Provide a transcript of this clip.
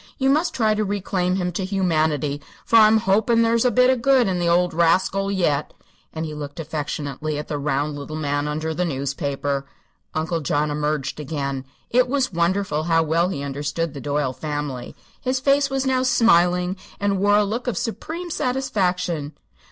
You must try to reclaim him to humanity, for I'm hopin' there's a bit of good in the old rascal yet." And he looked affectionately at the round little man under the newspaper. Uncle John emerged again. It was wonderful how well he understood the Doyle family. His face was now smiling and wore a look of supreme satisfaction.